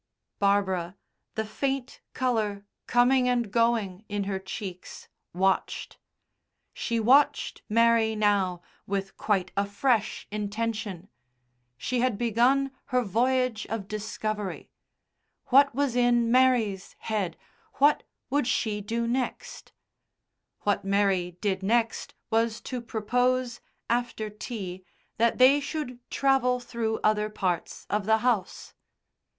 Barbara, the faint colour coming and going in her cheeks, watched. She watched Mary now with quite a fresh intention. She had begun her voyage of discovery: what was in Mary's head, what would she do next? What Mary did next was to propose, after tea, that they should travel through other parts of the house.